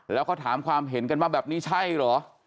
แล้วเขาถามความเห็นกันว่าแบบนี้ใช่เหรอ